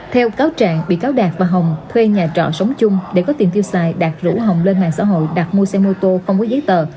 theo cáo trạng bị cáo đạt và hồng thuê nhà trọ sống chung để có tiền tiêu xài đạt rủ hồng lên mạng xã hội đặt mua xe mô tô không có giấy tờ